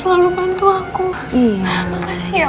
saatnya baju white my selection